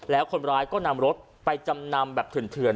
แล้วคนร้ายก็นำรถไปจำนำแบบเถื่อน